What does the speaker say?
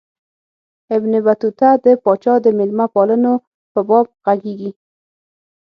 ابن بطوطه د پاچا د مېلمه پالنو په باب ږغیږي.